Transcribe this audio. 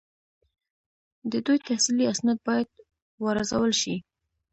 د دوی تحصیلي اسناد باید وارزول شي.